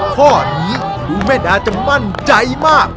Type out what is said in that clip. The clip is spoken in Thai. ข้อนี้คุณแม่ดาจะมั่นใจมาก